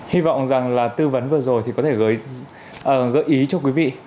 hy vọng rằng là tư vấn vừa rồi thì có thể gửi gợi ý cho quý vị